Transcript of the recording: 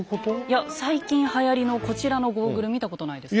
いや最近はやりのこちらのゴーグル見たことないですか？